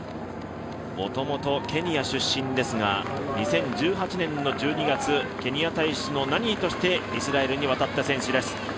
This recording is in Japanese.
もともとケニア出身ですが２０１８年の１２月ケニア大使のナニーとしてイスラエルに渡った選手です。